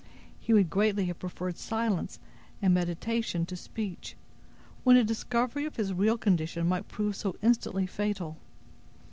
He would greatly have preferred silence and meditation to speech, when a discovery of his real condition might prove so instantly fatal.